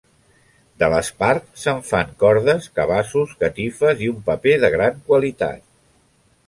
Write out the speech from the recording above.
De l'espart se'n fan cordes, cabassos, catifes i un paper de gran qualitat.